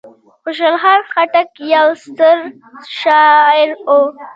خوشحال خان خټک یو ستر شاعر و.